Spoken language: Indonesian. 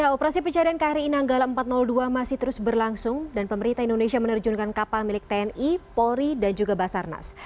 operasi pencarian kri nanggala empat ratus dua masih terus berlangsung dan pemerintah indonesia menerjunkan kapal milik tni polri dan juga basarnas